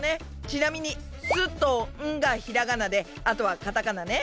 ちなみに「す」と「ん」がひらがなであとはカタカナね。